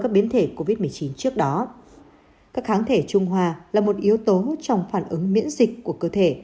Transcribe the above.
cơ thể covid một mươi chín trước đó các kháng thể trung hòa là một yếu tố trong phản ứng miễn dịch của cơ thể